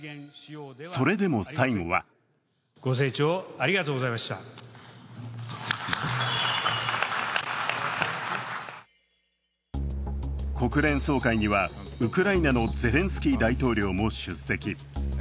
それでも最後は国連総会には、ウクライナのゼレンスキー大統領も出席。